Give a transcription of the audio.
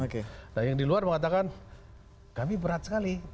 nah yang di luar mengatakan kami berat sekali